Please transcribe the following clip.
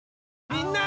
みんな！